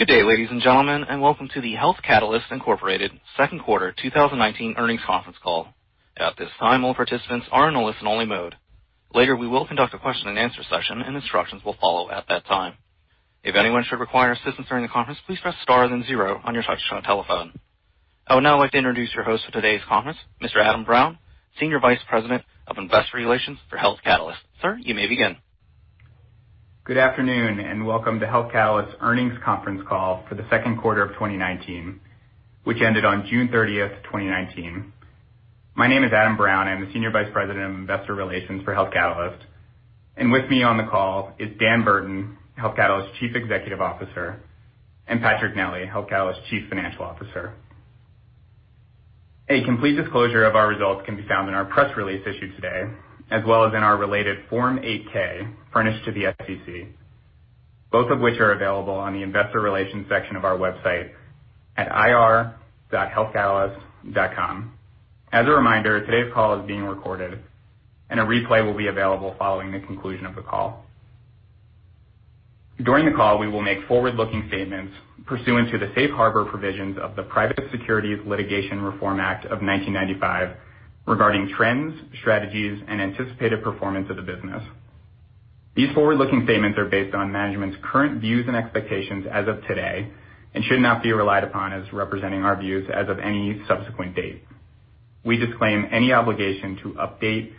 Good day, ladies and gentlemen, and welcome to the Health Catalyst, Inc. second quarter 2019 earnings conference call. At this time, all participants are in a listen-only mode. Later, we will conduct a question and answer session, and instructions will follow at that time. If anyone should require assistance during the conference, please press star then zero on your touchtone telephone. I would now like to introduce your host for today's conference, Mr. Adam Brown, Senior Vice President of Investor Relations for Health Catalyst. Sir, you may begin. Good afternoon, and welcome to Health Catalyst's earnings conference call for the second quarter of 2019, which ended on June 30th 2019. My name is Adam Brown. I'm the Senior Vice President of Investor Relations for Health Catalyst. With me on the call is Dan Burton, Health Catalyst's Chief Executive Officer, and Patrick Nelli, Health Catalyst's Chief Financial Officer. A complete disclosure of our results can be found in our press release issued today as well as in our related Form 8-K furnished to the SEC, both of which are available on the investor relations section of our website at ir.healthcatalyst.com. As a reminder, today's call is being recorded, and a replay will be available following the conclusion of the call. During the call, we will make forward-looking statements pursuant to the Safe Harbor Provisions of the Private Securities Litigation Reform Act of 1995 regarding trends, strategies, and anticipated performance of the business. These forward-looking statements are based on management's current views and expectations as of today and should not be relied upon as representing our views as of any subsequent date. We disclaim any obligation to update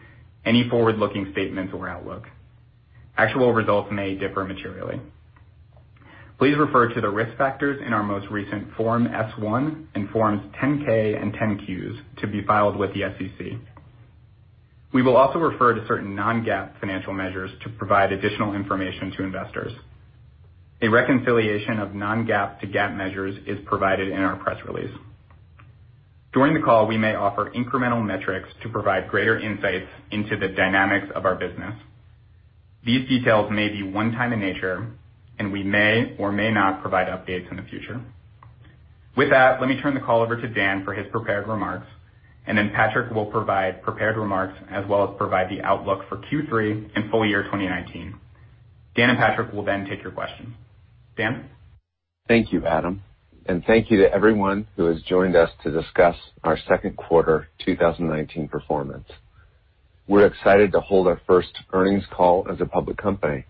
any forward-looking statements or outlook. Actual results may differ materially. Please refer to the risk factors in our most recent Form S-1 and Forms 10-K and 10-Qs to be filed with the SEC. We will also refer to certain non-GAAP financial measures to provide additional information to investors. A reconciliation of non-GAAP to GAAP measures is provided in our press release. During the call, we may offer incremental metrics to provide greater insights into the dynamics of our business. These details may be one time in nature, and we may or may not provide updates in the future. With that, let me turn the call over to Dan for his prepared remarks, and then Patrick will provide prepared remarks as well as provide the outlook for Q3 and full year 2019. Dan and Patrick will then take your questions. Dan? Thank you, Adam, and thank you to everyone who has joined us to discuss our second quarter 2019 performance. We're excited to hold our first earnings call as a public company.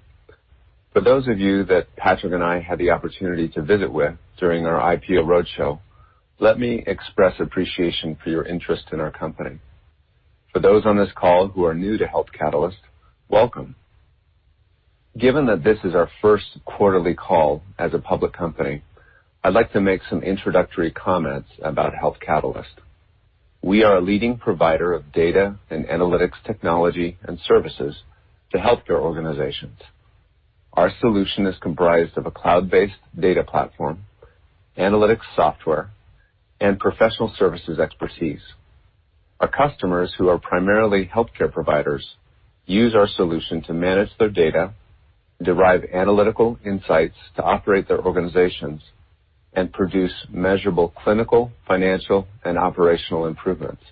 For those of you that Patrick and I had the opportunity to visit with during our IPO roadshow, let me express appreciation for your interest in our company. For those on this call who are new to Health Catalyst, welcome. Given that this is our first quarterly call as a public company, I'd like to make some introductory comments about Health Catalyst. We are a leading provider of data and analytics technology and services to healthcare organizations. Our solution is comprised of a cloud-based data platform, analytics software, and professional services expertise. Our customers, who are primarily healthcare providers, use our solution to manage their data, derive analytical insights to operate their organizations, and produce measurable clinical, financial, and operational improvements.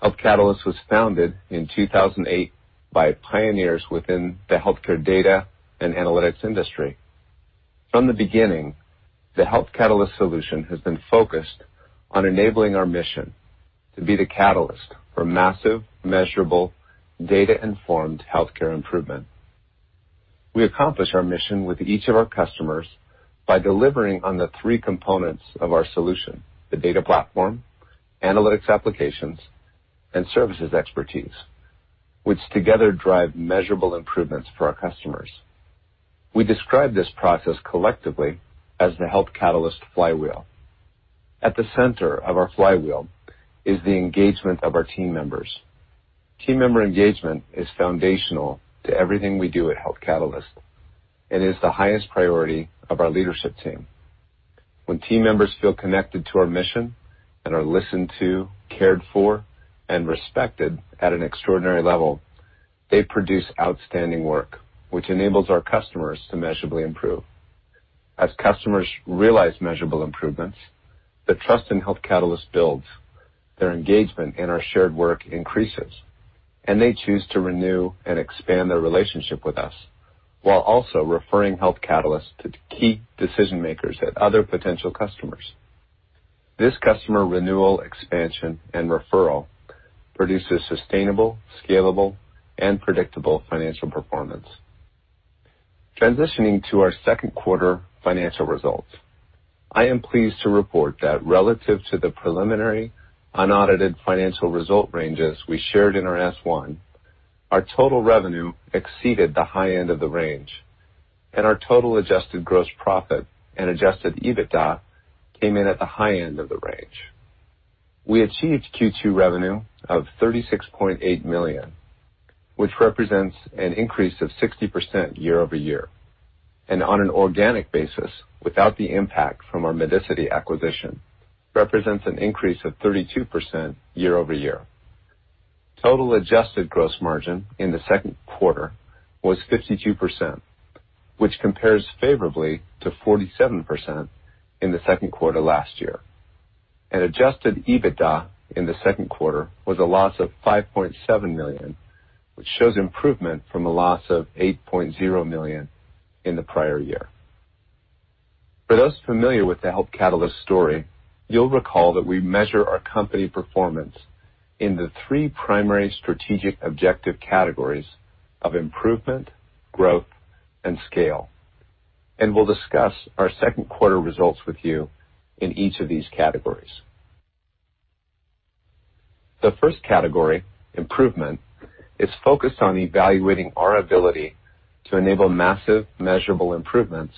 Health Catalyst was founded in 2008 by pioneers within the healthcare data and analytics industry. From the beginning, the Health Catalyst solution has been focused on enabling our mission to be the catalyst for massive, measurable, data-informed healthcare improvement. We accomplish our mission with each of our customers by delivering on the three components of our solution: the data platform, analytics applications, and services expertise, which together drive measurable improvements for our customers. We describe this process collectively as the Health Catalyst flywheel. At the center of our flywheel is the engagement of our team members. Team member engagement is foundational to everything we do at Health Catalyst and is the highest priority of our leadership team. When team members feel connected to our mission and are listened to, cared for, and respected at an extraordinary level, they produce outstanding work, which enables our customers to measurably improve. As customers realize measurable improvements, the trust in Health Catalyst builds, their engagement in our shared work increases, and they choose to renew and expand their relationship with us while also referring Health Catalyst to key decision-makers at other potential customers. This customer renewal, expansion, and referral produces sustainable, scalable, and predictable financial performance. Transitioning to our second quarter financial results. I am pleased to report that relative to the preliminary unaudited financial result ranges we shared in our S-1, our total revenue exceeded the high end of the range, and our total adjusted gross profit and adjusted EBITDA came in at the high end of the range. We achieved Q2 revenue of $36.8 million, which represents an increase of 60% year-over-year. On an organic basis, without the impact from our Medicity acquisition, represents an increase of 32% year-over-year. Total adjusted gross margin in the second quarter was 52%, which compares favorably to 47% in the second quarter last year. Adjusted EBITDA in the second quarter was a loss of $5.7 million, which shows improvement from a loss of $8.0 million in the prior year. For those familiar with the Health Catalyst story, you'll recall that we measure our company performance in the three primary strategic objective categories of improvement, growth, and scale. We'll discuss our second quarter results with you in each of these categories. The first category, improvement, is focused on evaluating our ability to enable massive measurable improvements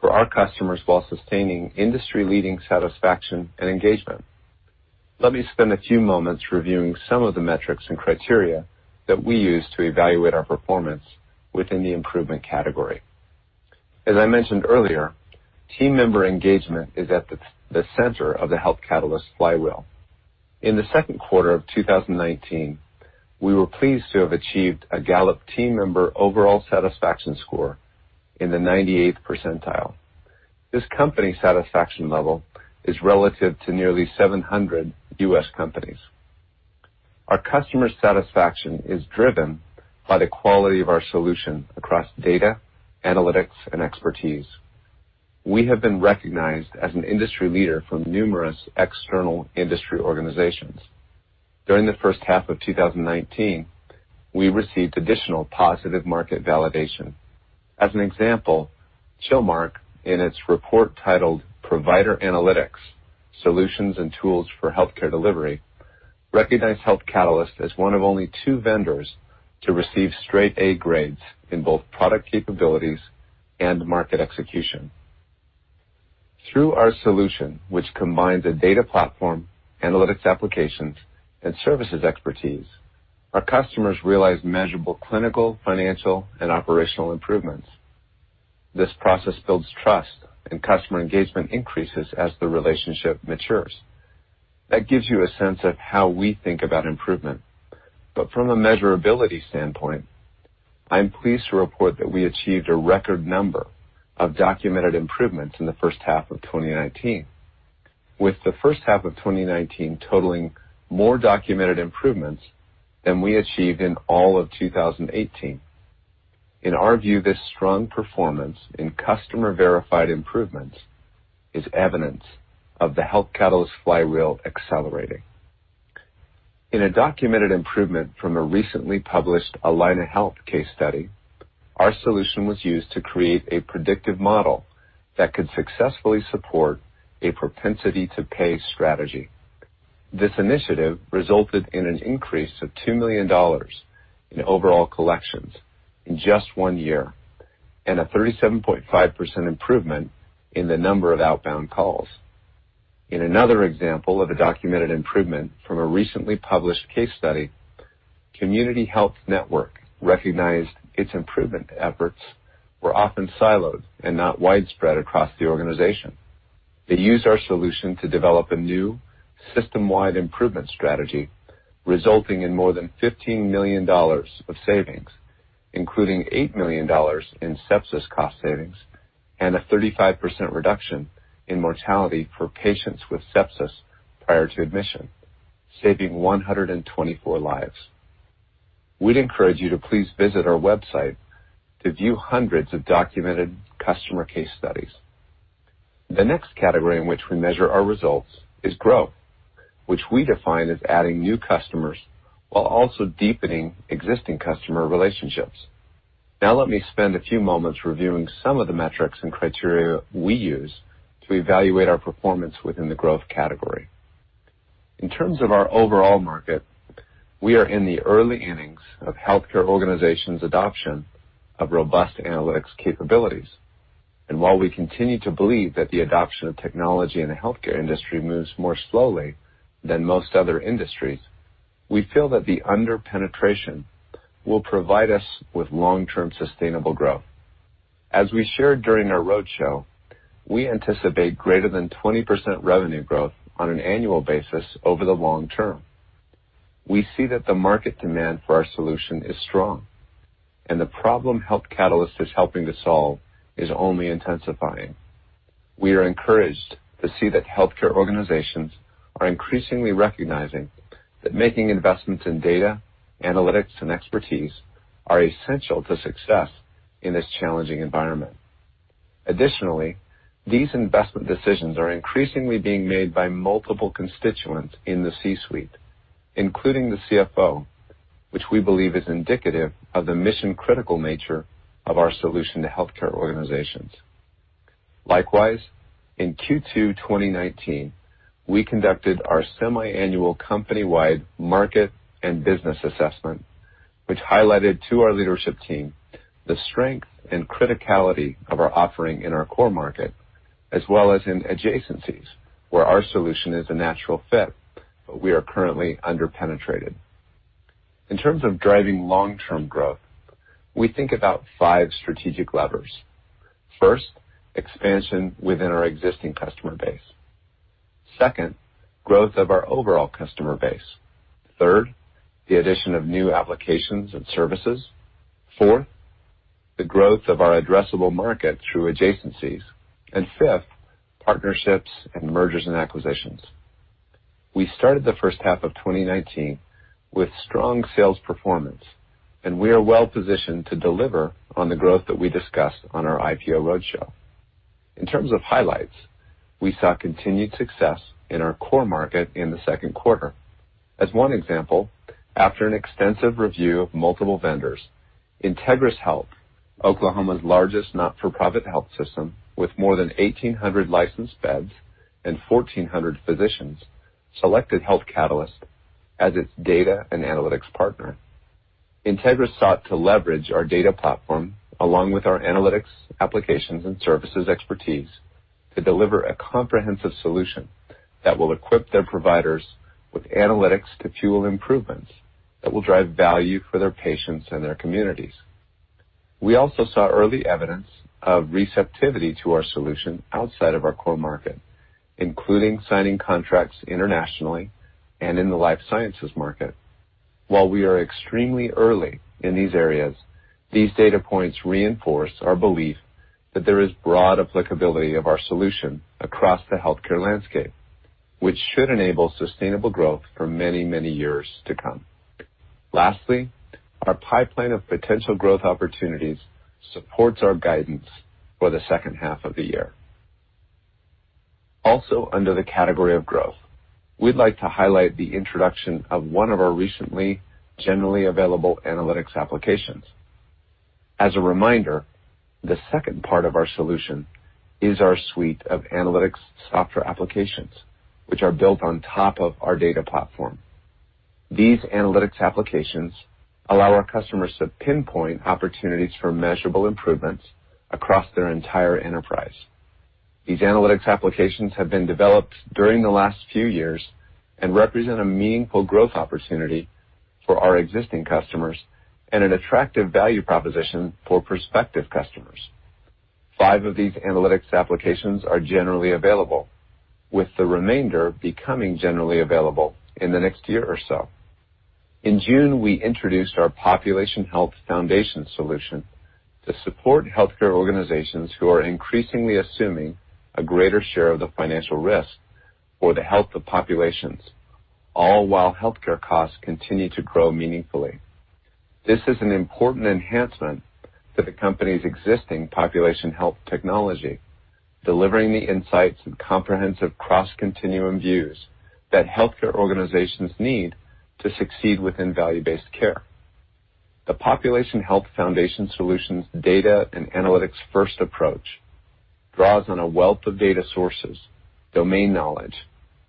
for our customers while sustaining industry-leading satisfaction and engagement. Let me spend a few moments reviewing some of the metrics and criteria that we use to evaluate our performance within the improvement category. As I mentioned earlier, team member engagement is at the center of the Health Catalyst flywheel. In the second quarter of 2019, we were pleased to have achieved a Gallup team member overall satisfaction score in the 98th percentile. This company satisfaction level is relative to nearly 700 U.S. companies. Our customer satisfaction is driven by the quality of our solution across data, analytics, and expertise. We have been recognized as an industry leader from numerous external industry organizations. During the first half of 2019, we received additional positive market validation. As an example, Chilmark in its report titled "Provider Analytics: Solutions and Tools for Healthcare Delivery," recognized Health Catalyst as one of only two vendors to receive straight A grades in both product capabilities and market execution. Through our solution, which combines a data platform, analytics applications, and services expertise, our customers realize measurable clinical, financial, and operational improvements. This process builds trust and customer engagement increases as the relationship matures. That gives you a sense of how we think about improvement. From a measurability standpoint, I'm pleased to report that we achieved a record number of documented improvements in the first half of 2019. With the first half of 2019 totaling more documented improvements than we achieved in all of 2018. In our view, this strong performance in customer-verified improvements is evidence of the Health Catalyst flywheel accelerating. In a documented improvement from a recently published Allina Health case study, our solution was used to create a predictive model that could successfully support a propensity-to-pay strategy. This initiative resulted in an increase of $2 million in overall collections in just one year and a 37.5% improvement in the number of outbound calls. In another example of a documented improvement from a recently published case study, Community Health Network recognized its improvement efforts were often siloed and not widespread across the organization. They used our solution to develop a new system-wide improvement strategy, resulting in more than $15 million of savings, including $8 million in sepsis cost savings and a 35% reduction in mortality for patients with sepsis prior to admission, saving 124 lives. We'd encourage you to please visit our website to view hundreds of documented customer case studies. The next category in which we measure our results is growth, which we define as adding new customers while also deepening existing customer relationships. Let me spend a few moments reviewing some of the metrics and criteria we use to evaluate our performance within the growth category. In terms of our overall market, we are in the early innings of healthcare organizations' adoption of robust analytics capabilities. While we continue to believe that the adoption of technology in the healthcare industry moves more slowly than most other industries, we feel that the under-penetration will provide us with long-term sustainable growth. As we shared during our roadshow, we anticipate greater than 20% revenue growth on an annual basis over the long term. We see that the market demand for our solution is strong, and the problem Health Catalyst is helping to solve is only intensifying. We are encouraged to see that healthcare organizations are increasingly recognizing that making investments in data, analytics, and expertise are essential to success in this challenging environment. Additionally, these investment decisions are increasingly being made by multiple constituents in the C-suite, including the CFO, which we believe is indicative of the mission-critical nature of our solution to healthcare organizations. Likewise, in Q2 2019, we conducted our semiannual company-wide market and business assessment, which highlighted to our leadership team the strength and criticality of our offering in our core market, as well as in adjacencies where our solution is a natural fit, but we are currently under-penetrated. In terms of driving long-term growth, we think about five strategic levers. First, expansion within our existing customer base. Second, growth of our overall customer base. Third, the addition of new applications and services. Fourth, the growth of our addressable market through adjacencies. Fifth, partnerships and mergers and acquisitions. We started the first half of 2019 with strong sales performance, and we are well-positioned to deliver on the growth that we discussed on our IPO roadshow. In terms of highlights, we saw continued success in our core market in the second quarter. As one example, after an extensive review of multiple vendors, Integris Health, Oklahoma's largest not-for-profit health system with more than 1,800 licensed beds and 1,400 physicians, selected Health Catalyst as its data and analytics partner. Integris sought to leverage our data platform, along with our analytics applications and services expertise, to deliver a comprehensive solution that will equip their providers with analytics to fuel improvements that will drive value for their patients and their communities. We also saw early evidence of receptivity to our solution outside of our core market, including signing contracts internationally and in the life sciences market. While we are extremely early in these areas, these data points reinforce our belief that there is broad applicability of our solution across the healthcare landscape, which should enable sustainable growth for many, many years to come. Lastly, our pipeline of potential growth opportunities supports our guidance for the second half of the year. Under the category of growth, we'd like to highlight the introduction of one of our recently generally available analytics applications. As a reminder, the second part of our solution is our suite of analytics software applications, which are built on top of our data platform. These analytics applications allow our customers to pinpoint opportunities for measurable improvements across their entire enterprise. These analytics applications have been developed during the last few years and represent a meaningful growth opportunity for our existing customers and an attractive value proposition for prospective customers. Five of these analytics applications are generally available, with the remainder becoming generally available in the next year or so. In June, we introduced our Population Health Foundation solution to support healthcare organizations who are increasingly assuming a greater share of the financial risk for the health of populations, all while healthcare costs continue to grow meaningfully. This is an important enhancement to the company's existing population health technology, delivering the insights and comprehensive cross-continuum views that healthcare organizations need to succeed within value-based care. The Population Health Foundation solution's data and analytics first approach draws on a wealth of data sources, domain knowledge,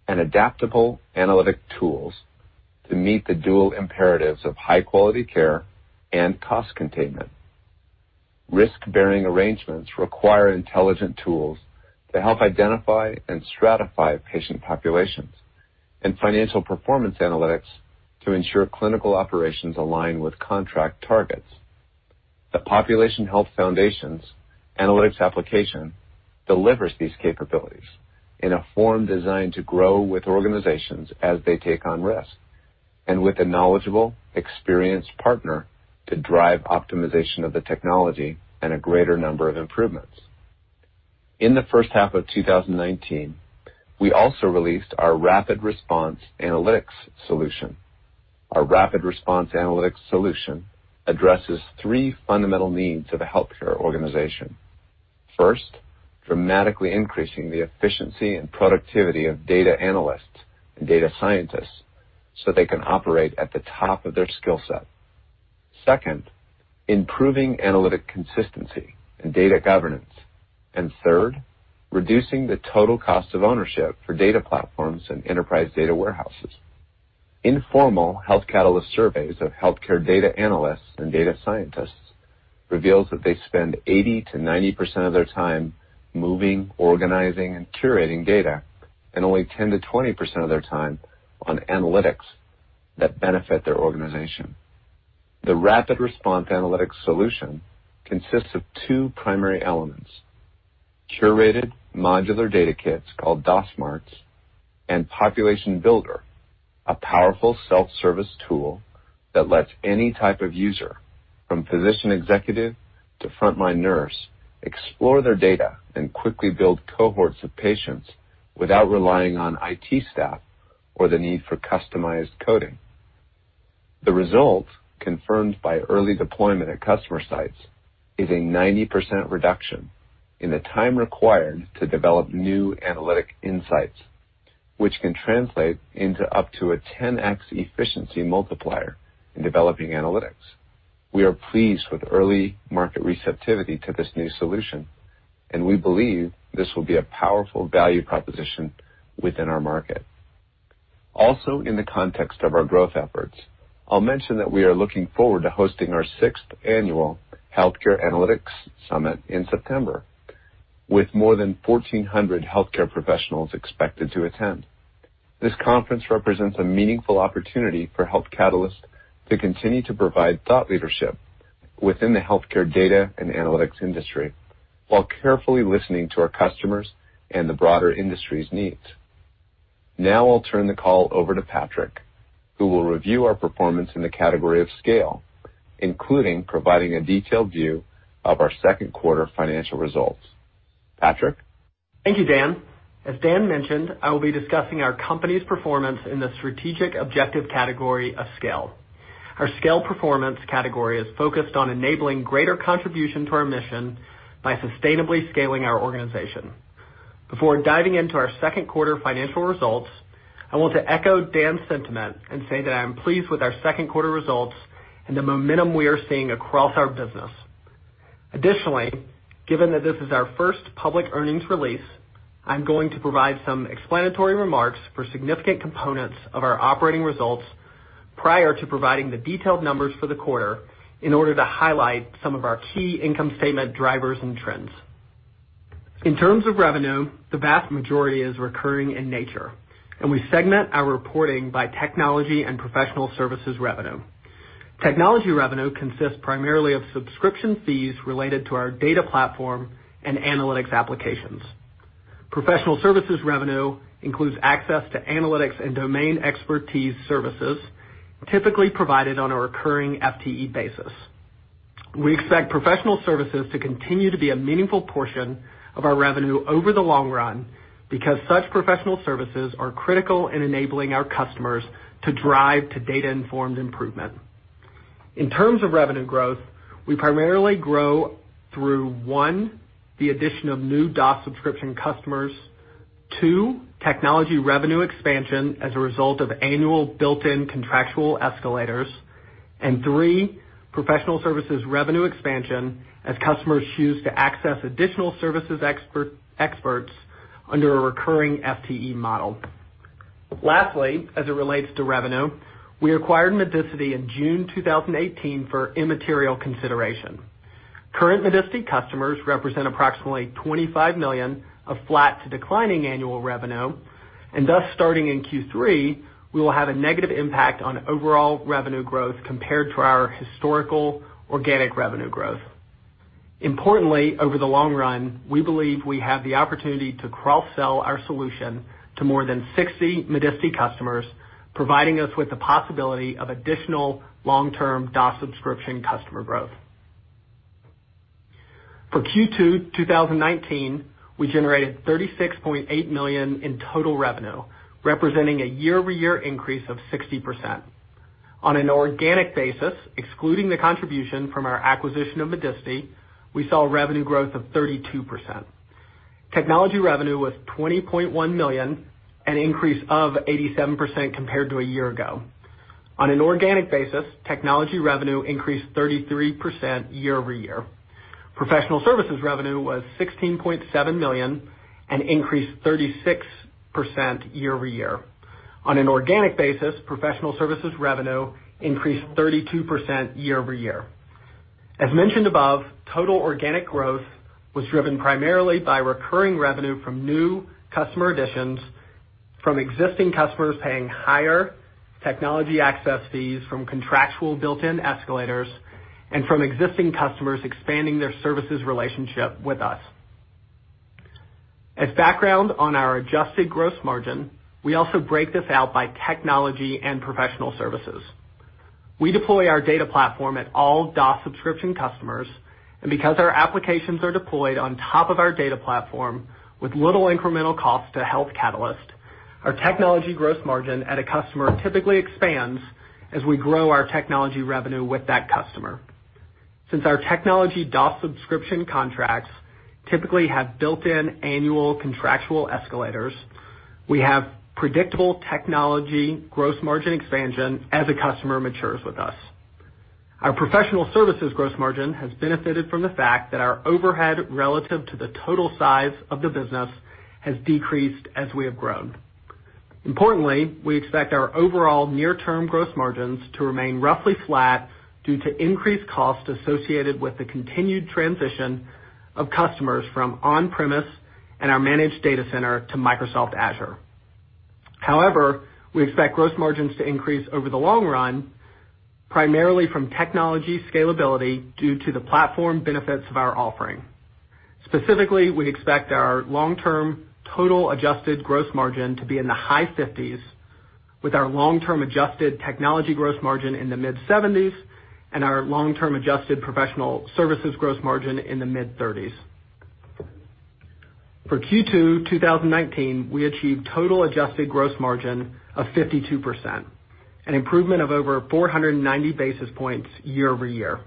and adaptable analytic tools to meet the dual imperatives of high-quality care and cost containment. Risk-bearing arrangements require intelligent tools to help identify and stratify patient populations, and financial performance analytics to ensure clinical operations align with contract targets. The Population Health Foundation's analytics application delivers these capabilities in a form designed to grow with organizations as they take on risk, and with a knowledgeable, experienced partner to drive optimization of the technology and a greater number of improvements. In the first half of 2019, we also released our Rapid Response Analytics solution. Our Rapid Response Analytics solution addresses three fundamental needs of a healthcare organization. First, dramatically increasing the efficiency and productivity of data analysts and data scientists so they can operate at the top of their skillset. Second, improving analytic consistency and data governance. Third, reducing the total cost of ownership for data platforms and enterprise data warehouses. Informal Health Catalyst surveys of healthcare data analysts and data scientists reveals that they spend 80%-90% of their time moving, organizing, and curating data, and only 10%-20% of their time on analytics that benefit their organization. The Rapid Response Analytics solution consists of two primary elements: curated modular data kits called DOS Marts and Population Builder, a powerful self-service tool that lets any type of user, from physician executive to frontline nurse, explore their data and quickly build cohorts of patients without relying on IT staff or the need for customized coding. The result, confirmed by early deployment at customer sites, is a 90% reduction in the time required to develop new analytic insights, which can translate into up to a 10x efficiency multiplier in developing analytics. We are pleased with early market receptivity to this new solution. We believe this will be a powerful value proposition within our market. Also, in the context of our growth efforts, I'll mention that we are looking forward to hosting our sixth annual Healthcare Analytics Summit in September, with more than 1,400 healthcare professionals expected to attend. This conference represents a meaningful opportunity for Health Catalyst to continue to provide thought leadership within the healthcare data and analytics industry while carefully listening to our customers and the broader industry's needs. Now I'll turn the call over to Patrick, who will review our performance in the category of scale, including providing a detailed view of our second quarter financial results. Patrick? Thank you, Dan. As Dan mentioned, I will be discussing our company's performance in the strategic objective category of scale. Our scale performance category is focused on enabling greater contribution to our mission by sustainably scaling our organization. Before diving into our second quarter financial results, I want to echo Dan's sentiment and say that I am pleased with our second quarter results and the momentum we are seeing across our business. Given that this is our first public earnings release, I'm going to provide some explanatory remarks for significant components of our operating results prior to providing the detailed numbers for the quarter in order to highlight some of our key income statement drivers and trends. In terms of revenue, the vast majority is recurring in nature, and we segment our reporting by technology and professional services revenue. Technology revenue consists primarily of subscription fees related to our data platform and analytics applications. Professional services revenue includes access to analytics and domain expertise services, typically provided on a recurring FTE basis. We expect professional services to continue to be a meaningful portion of our revenue over the long run because such professional services are critical in enabling our customers to drive to data-informed improvement. In terms of revenue growth, we primarily grow through, one, the addition of new DaaS subscription customers, two, technology revenue expansion as a result of annual built-in contractual escalators, and three, professional services revenue expansion as customers choose to access additional services experts under a recurring FTE model. Lastly, as it relates to revenue, we acquired Medicity in June 2018 for immaterial consideration. Current Medicity customers represent approximately $25 million of flat to declining annual revenue, and thus starting in Q3, we will have a negative impact on overall revenue growth compared to our historical organic revenue growth. Importantly, over the long run, we believe we have the opportunity to cross-sell our solution to more than 60 Medicity customers, providing us with the possibility of additional long-term DaaS subscription customer growth. For Q2 2019, we generated $36.8 million in total revenue, representing a year-over-year increase of 60%. On an organic basis, excluding the contribution from our acquisition of Medicity, we saw revenue growth of 32%. Technology revenue was $20.1 million, an increase of 87% compared to a year ago. On an organic basis, technology revenue increased 33% year-over-year. Professional services revenue was $16.7 million, an increase 36% year-over-year. On an organic basis, professional services revenue increased 32% year-over-year. As mentioned above, total organic growth was driven primarily by recurring revenue from new customer additions, from existing customers paying higher technology access fees from contractual built-in escalators, and from existing customers expanding their services relationship with us. As background on our adjusted gross margin, we also break this out by technology and professional services. We deploy our data platform at all DaaS subscription customers, and because our applications are deployed on top of our data platform with little incremental cost to Health Catalyst, our technology gross margin at a customer typically expands as we grow our technology revenue with that customer. Since our technology DaaS subscription contracts typically have built-in annual contractual escalators, we have predictable technology gross margin expansion as a customer matures with us. Our professional services gross margin has benefited from the fact that our overhead relative to the total size of the business has decreased as we have grown. Importantly, we expect our overall near-term gross margins to remain roughly flat due to increased costs associated with the continued transition of customers from on-premise and our managed data center to Microsoft Azure. However, we expect gross margins to increase over the long run, primarily from technology scalability due to the platform benefits of our offering. Specifically, we expect our long-term total adjusted gross margin to be in the high 50s with our long-term adjusted technology gross margin in the mid 70s and our long-term adjusted professional services gross margin in the mid 30s. For Q2 2019, we achieved total adjusted gross margin of 52%, an improvement of over 490 basis points year-over-year.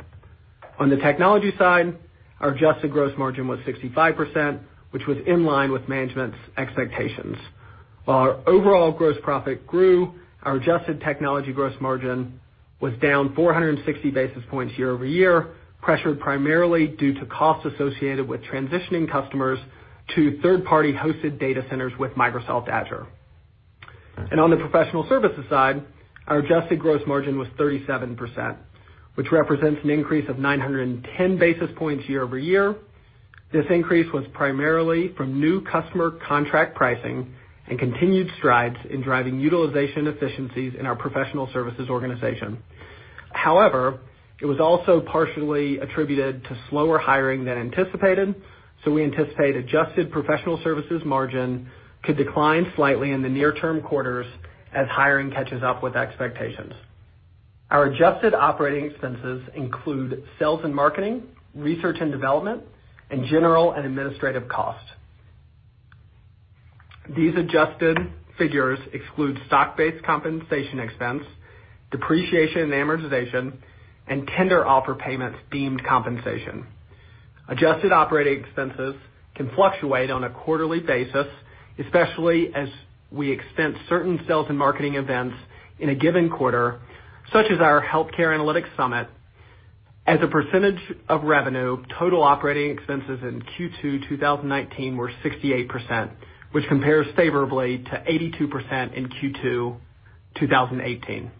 On the technology side, our adjusted gross margin was 65%, which was in line with management's expectations. While our overall gross profit grew, our adjusted technology gross margin was down 460 basis points year-over-year, pressured primarily due to costs associated with transitioning customers to third-party hosted data centers with Microsoft Azure. On the professional services side, our adjusted gross margin was 37%, which represents an increase of 910 basis points year-over-year. This increase was primarily from new customer contract pricing and continued strides in driving utilization efficiencies in our professional services organization. However, it was also partially attributed to slower hiring than anticipated, we anticipate adjusted professional services margin could decline slightly in the near term quarters as hiring catches up with expectations. Our adjusted operating expenses include sales and marketing, research and development, and general and administrative costs. These adjusted figures exclude stock-based compensation expense, depreciation and amortization, and tender offer payments deemed compensation. Adjusted operating expenses can fluctuate on a quarterly basis, especially as we expense certain sales and marketing events in a given quarter, such as our Healthcare Analytics Summit. As a percentage of revenue, total operating expenses in Q2 2019 were 68%, which compares favorably to 82% in Q2 2018.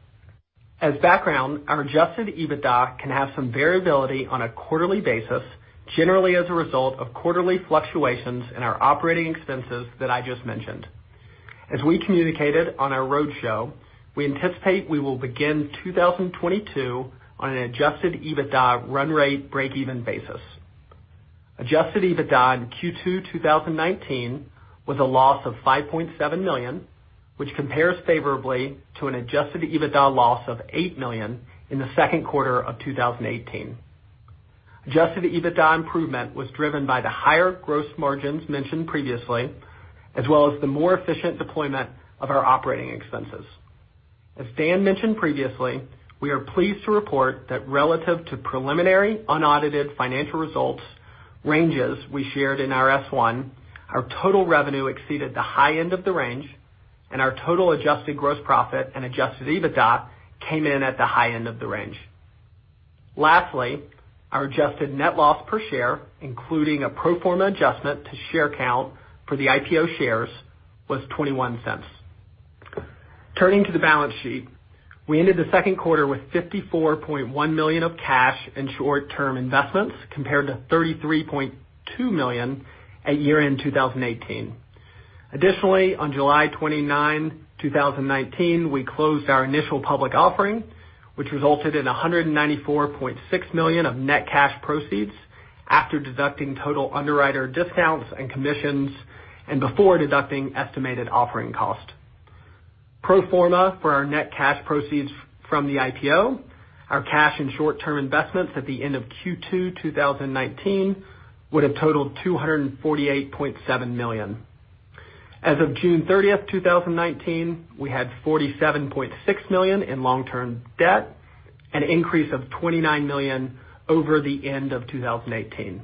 As background, our adjusted EBITDA can have some variability on a quarterly basis, generally as a result of quarterly fluctuations in our operating expenses that I just mentioned. As we communicated on our roadshow, we anticipate we will begin 2022 on an adjusted EBITDA run rate breakeven basis. Adjusted EBITDA in Q2 2019 was a loss of $5.7 million, which compares favorably to an adjusted EBITDA loss of $8 million in the second quarter of 2018. Adjusted EBITDA improvement was driven by the higher gross margins mentioned previously, as well as the more efficient deployment of our operating expenses. As Dan mentioned previously, we are pleased to report that relative to preliminary unaudited financial results ranges we shared in our S-1, our total revenue exceeded the high end of the range, and our total adjusted gross profit and adjusted EBITDA came in at the high end of the range. Lastly, our adjusted net loss per share, including a pro forma adjustment to share count for the IPO shares, was $0.21. Turning to the balance sheet, we ended the second quarter with $54.1 million of cash and short-term investments, compared to $33.2 million at year-end 2018. Additionally, on July 29, 2019, we closed our initial public offering, which resulted in $194.6 million of net cash proceeds after deducting total underwriter discounts and commissions, and before deducting estimated offering cost. Pro forma for our net cash proceeds from the IPO, our cash and short-term investments at the end of Q2 2019 would have totaled $248.7 million. As of June 30, 2019, we had $47.6 million in long-term debt, an increase of $29 million over the end of 2018.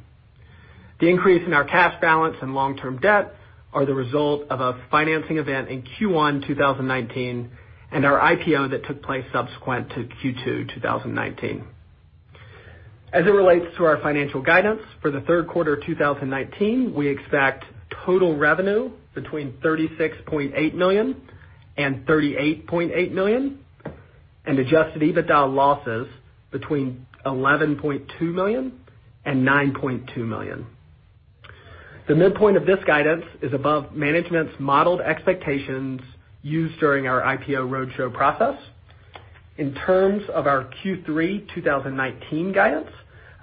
The increase in our cash balance and long-term debt are the result of a financing event in Q1 2019 and our IPO that took place subsequent to Q2 2019. As it relates to our financial guidance for the third quarter 2019, we expect total revenue between $36.8 million and $38.8 million, and adjusted EBITDA losses between $11.2 million and $9.2 million. The midpoint of this guidance is above management's modeled expectations used during our IPO roadshow process. In terms of our Q3 2019 guidance,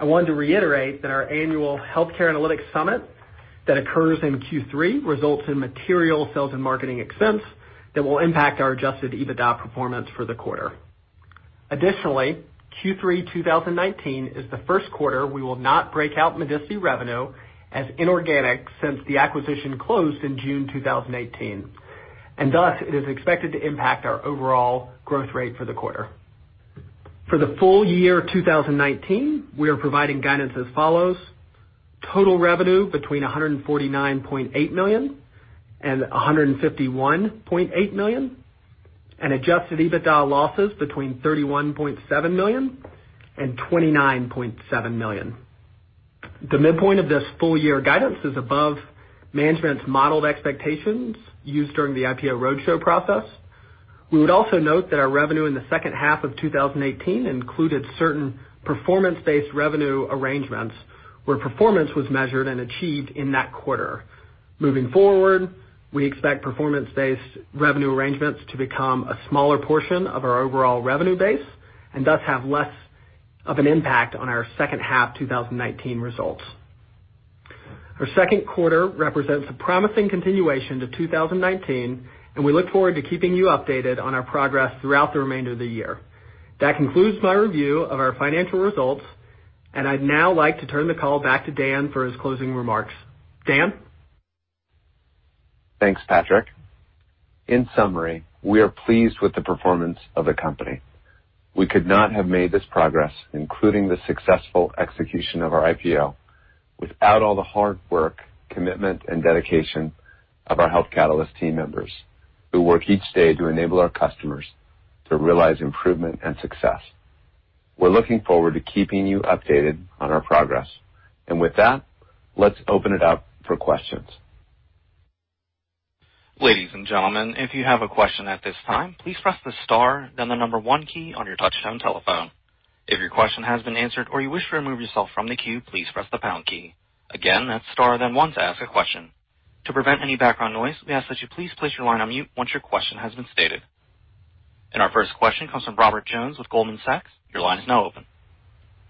I wanted to reiterate that our annual Healthcare Analytics Summit that occurs in Q3 results in material sales and marketing expense that will impact our adjusted EBITDA performance for the quarter. Additionally, Q3 2019 is the first quarter we will not break out Medicity revenue as inorganic since the acquisition closed in June 2018, and thus it is expected to impact our overall growth rate for the quarter. For the full year 2019, we are providing guidance as follows. Total revenue between $149.8 million and $151.8 million, and adjusted EBITDA losses between $31.7 million and $29.7 million. The midpoint of this full year guidance is above management's modeled expectations used during the IPO roadshow process. We would also note that our revenue in the second half of 2018 included certain performance-based revenue arrangements where performance was measured and achieved in that quarter. Moving forward, we expect performance-based revenue arrangements to become a smaller portion of our overall revenue base, and thus have less of an impact on our second half 2019 results. Our second quarter represents a promising continuation to 2019, and we look forward to keeping you updated on our progress throughout the remainder of the year. That concludes my review of our financial results, and I'd now like to turn the call back to Dan for his closing remarks. Dan? Thanks, Patrick. In summary, we are pleased with the performance of the company. We could not have made this progress, including the successful execution of our IPO, without all the hard work, commitment and dedication of our Health Catalyst team members who work each day to enable our customers to realize improvement and success. We're looking forward to keeping you updated on our progress. With that, let's open it up for questions. Ladies and gentlemen, if you have a question at this time, please press the star, then the number 1 key on your touchtone telephone. If your question has been answered or you wish to remove yourself from the queue, please press the pound key. Again, that's star then 1 to ask a question. To prevent any background noise, we ask that you please place your line on mute once your question has been stated. Our first question comes from Robert Jones with Goldman Sachs. Your line is now open.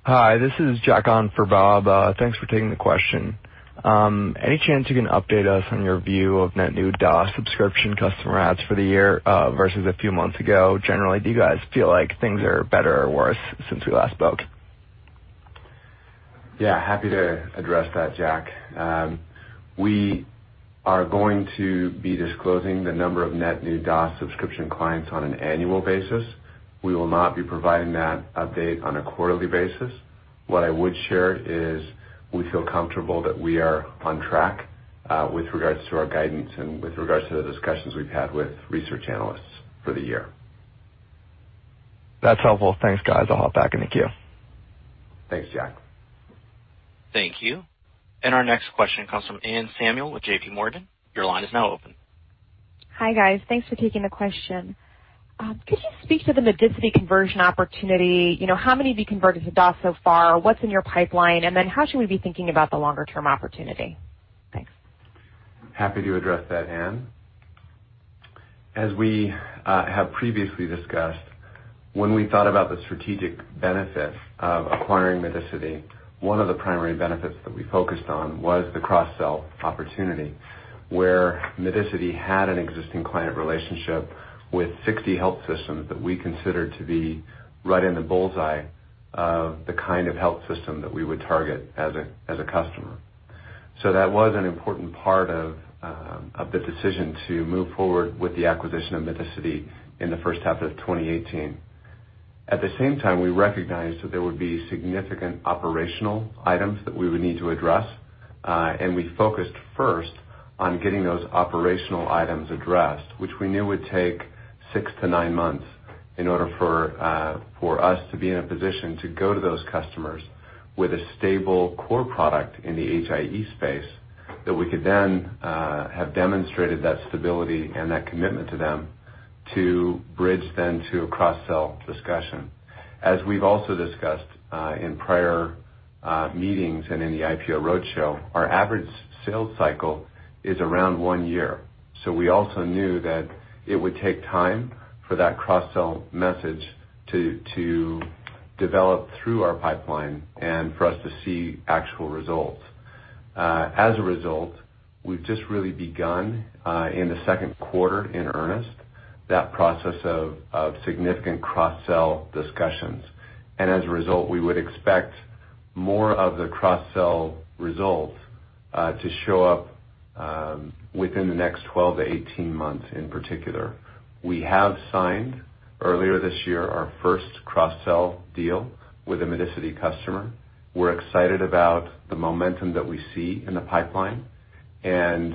Hi, this is Jack on for Bob. Thanks for taking the question. Any chance you can update us on your view of net new DaaS subscription customer adds for the year, versus a few months ago? Generally, do you guys feel like things are better or worse since we last spoke? Yeah, happy to address that, Jack. We are going to be disclosing the number of net new DaaS subscription clients on an annual basis. We will not be providing that update on a quarterly basis. What I would share is we feel comfortable that we are on track, with regards to our guidance and with regards to the discussions we've had with research analysts for the year. That's helpful. Thanks, guys. I'll hop back in the queue. Thanks, Jack. Thank you. Our next question comes from Anne Samuel with J.P. Morgan. Your line is now open. Hi, guys. Thanks for taking the question. Could you speak to the Medicity conversion opportunity? How many have you converted to DaaS so far? What's in your pipeline? How should we be thinking about the longer-term opportunity? Thanks. Happy to address that, Anne. As we have previously discussed, when we thought about the strategic benefits of acquiring Medicity, one of the primary benefits that we focused on was the cross-sell opportunity, where Medicity had an existing client relationship with 60 health systems that we considered to be right in the bull's eye of the kind of health system that we would target as a customer. That was an important part of the decision to move forward with the acquisition of Medicity in the first half of 2018. At the same time, we recognized that there would be significant operational items that we would need to address. We focused first on getting those operational items addressed, which we knew would take six to nine months in order for us to be in a position to go to those customers with a stable core product in the HIE space that we could then have demonstrated that stability and that commitment to them to bridge then to a cross-sell discussion. As we've also discussed, in prior meetings and in the IPO roadshow, our average sales cycle is around one year. We also knew that it would take time for that cross-sell message to develop through our pipeline and for us to see actual results. As a result, we've just really begun, in the second quarter in earnest, that process of significant cross-sell discussions. As a result, we would expect more of the cross-sell results to show up within the next 12 to 18 months in particular. We have signed earlier this year our first cross-sell deal with a Medicity customer. We're excited about the momentum that we see in the pipeline, and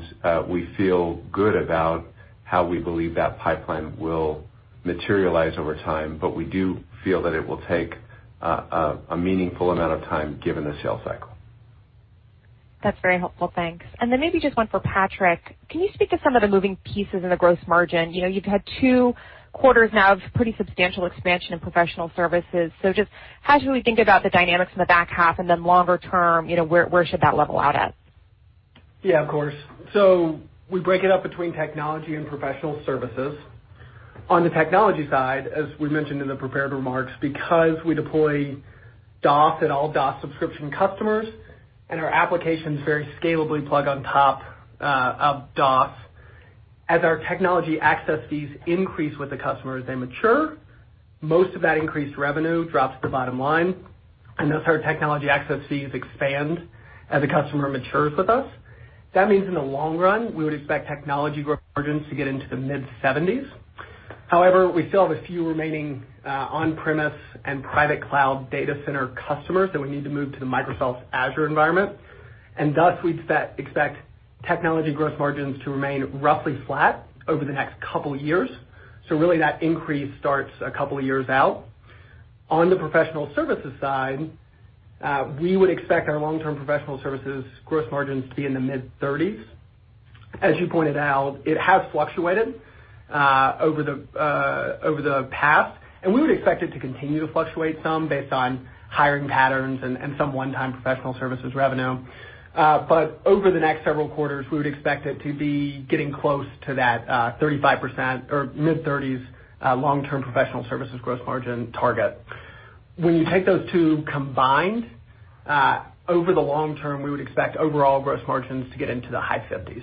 we feel good about how we believe that pipeline will materialize over time, but we do feel that it will take a meaningful amount of time given the sales cycle. That's very helpful. Thanks. Maybe just one for Patrick. Can you speak to some of the moving pieces in the gross margin? You've had two quarters now of pretty substantial expansion in professional services. Just how should we think about the dynamics in the back half longer term, where should that level out at? Yeah, of course. We break it up between technology and professional services. On the technology side, as we mentioned in the prepared remarks, because we deploy DaaS at all DaaS subscription customers and our applications very scalably plug on top of DaaS, as our technology access fees increase with the customer as they mature, most of that increased revenue drops to the bottom line, and those are technology access fees expand as a customer matures with us. That means in the long run, we would expect technology growth margins to get into the mid-70s. However, we still have a few remaining on-premise and private cloud data center customers that we need to move to the Microsoft Azure environment, and thus we'd expect technology gross margins to remain roughly flat over the next couple years. Really that increase starts a couple of years out. On the professional services side, we would expect our long-term professional services gross margins to be in the mid-30s. As you pointed out, it has fluctuated over the past, and we would expect it to continue to fluctuate some based on hiring patterns and some one-time professional services revenue. Over the next several quarters, we would expect it to be getting close to that 35% or mid-30s long-term professional services gross margin target. When you take those two combined, over the long term, we would expect overall gross margins to get into the high 50s.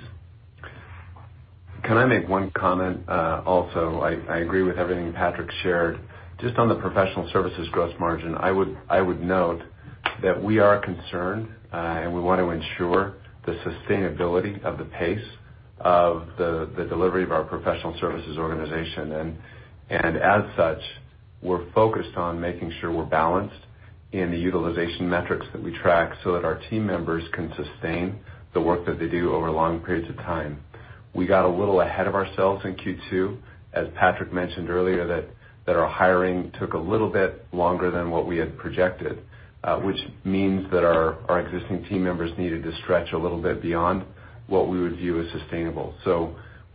Can I make one comment? Also, I agree with everything Patrick shared. Just on the professional services gross margin, I would note that we are concerned, and we want to ensure the sustainability of the pace of the delivery of our professional services organization. As such, we're focused on making sure we're balanced in the utilization metrics that we track so that our team members can sustain the work that they do over long periods of time. We got a little ahead of ourselves in Q2, as Patrick mentioned earlier, that our hiring took a little bit longer than what we had projected, which means that our existing team members needed to stretch a little bit beyond what we would view as sustainable.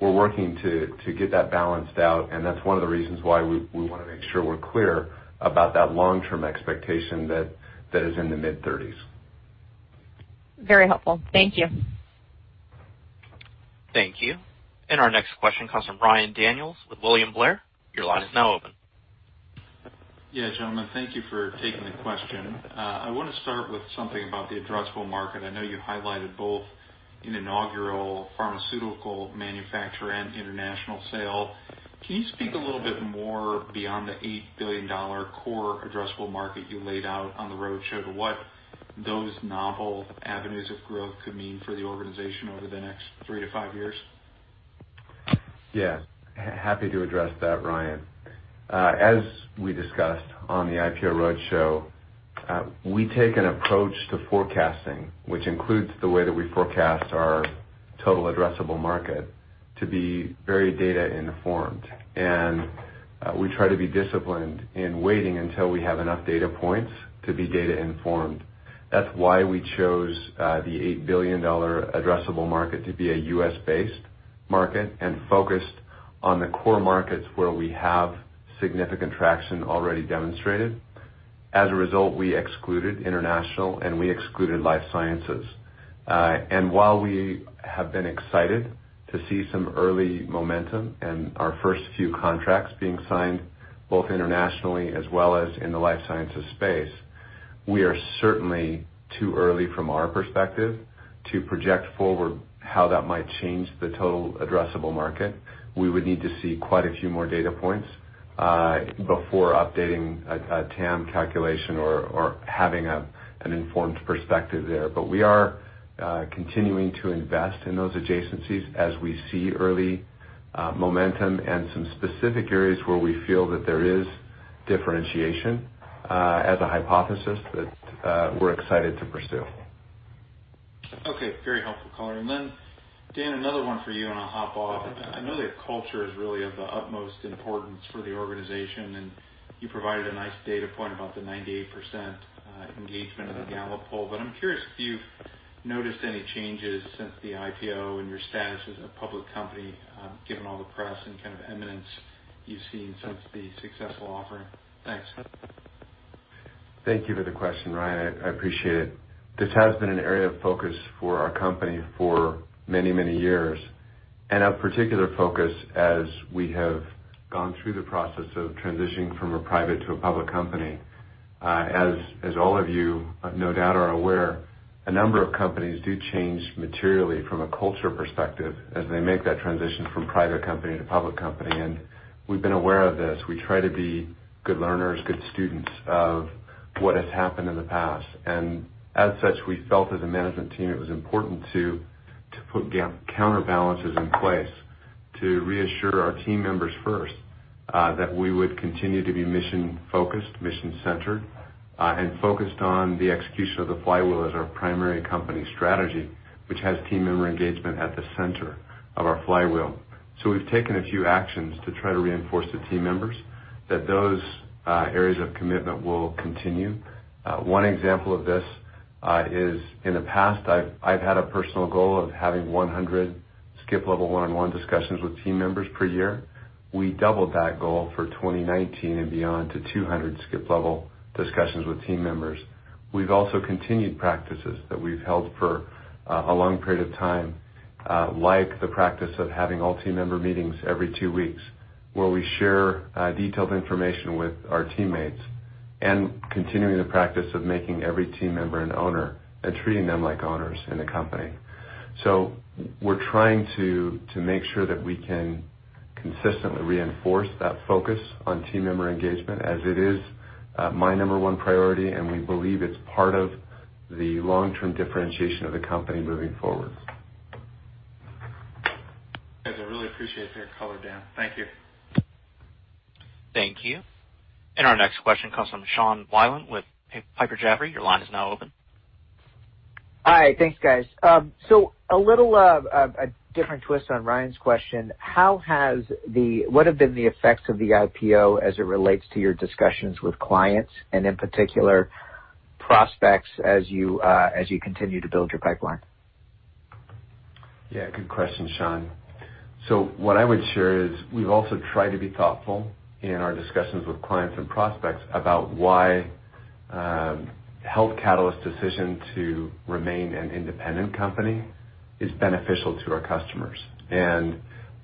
We're working to get that balanced out, and that's one of the reasons why we want to make sure we're clear about that long-term expectation that is in the mid-30s. Very helpful. Thank you. Thank you. Our next question comes from Ryan Daniels with William Blair. Your line is now open. Gentlemen. Thank you for taking the question. I want to start with something about the addressable market. I know you highlighted both an inaugural pharmaceutical manufacturer and international sale. Can you speak a little bit more beyond the $8 billion core addressable market you laid out on the roadshow to what those novel avenues of growth could mean for the organization over the next three to five years? Yeah, happy to address that, Ryan. As we discussed on the IPO roadshow, we take an approach to forecasting, which includes the way that we forecast our total addressable market to be very data informed. We try to be disciplined in waiting until we have enough data points to be data informed. That's why we chose the $8 billion addressable market to be a U.S.-based market and focused on the core markets where we have significant traction already demonstrated. As a result, we excluded international and we excluded life sciences. While we have been excited to see some early momentum and our first few contracts being signed, both internationally as well as in the life sciences space, we are certainly too early from our perspective to project forward how that might change the total addressable market. We would need to see quite a few more data points, before updating a TAM calculation or having an informed perspective there. We are continuing to invest in those adjacencies as we see early momentum and some specific areas where we feel that there is differentiation, as a hypothesis that we're excited to pursue. Okay. Very helpful call. Dan, another one for you, and I'll hop off. I know that culture is really of the utmost importance for the organization, and you provided a nice data point about the 98% engagement of the Gallup poll. I'm curious if you've noticed any changes since the IPO and your status as a public company, given all the press and kind of eminence you've seen since the successful offering. Thanks. Thank you for the question, Ryan. I appreciate it. This has been an area of focus for our company for many, many years and a particular focus as we have gone through the process of transitioning from a private to a public company. As all of you, no doubt, are aware, a number of companies do change materially from a culture perspective as they make that transition from private company to public company. We've been aware of this. We try to be good learners, good students of what has happened in the past, and as such, we felt as a management team, it was important to put counterbalances in place to reassure our team members first, that we would continue to be mission-focused, mission-centered, and focused on the execution of the flywheel as our primary company strategy, which has team member engagement at the center of our flywheel. We've taken a few actions to try to reinforce to team members that those areas of commitment will continue. One example of this is in the past, I've had a personal goal of having 100 skip-level one-on-one discussions with team members per year. We doubled that goal for 2019 and beyond to 200 skip-level discussions with team members. We've also continued practices that we've held for a long period of time, like the practice of having all team member meetings every two weeks, where we share detailed information with our teammates, and continuing the practice of making every team member an owner and treating them like owners in the company. We're trying to make sure that we can consistently reinforce that focus on team member engagement as it is my number one priority, and we believe it's part of the long-term differentiation of the company moving forward. Guys, I really appreciate your color, Dan. Thank you. Thank you. Our next question comes from Sean Wieland with Piper Jaffray. Your line is now open. Hi. Thanks, guys. A little of a different twist on Ryan's question. What have been the effects of the IPO as it relates to your discussions with clients and in particular prospects as you continue to build your pipeline? Yeah, good question, Sean. What I would share is we've also tried to be thoughtful in our discussions with clients and prospects about why Health Catalyst's decision to remain an independent company is beneficial to our customers.